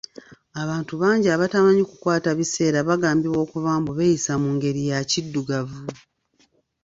Abantu bangi abatamyi kukwata biseera bagambibwa okuba mbu beeyisa mu ngeri ya kiddugavu.